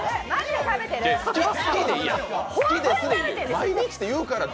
毎日って言うから。